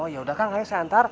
ya udah kasih voi saya antar